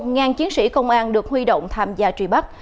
ngàn chiến sĩ công an được huy động tham gia truy bắt